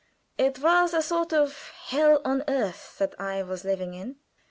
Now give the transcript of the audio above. It was a sort of hell on earth that I was living in.